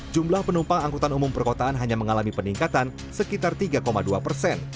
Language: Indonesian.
jumlah penumpang angkutan umum perkotaan hanya mengalami peningkatan sekitar tiga dua persen